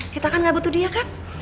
kita kan gak butuh dia kan